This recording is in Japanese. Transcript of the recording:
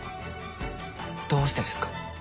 どうしてですか？